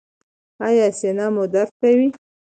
ایا سینه مو درد کوي؟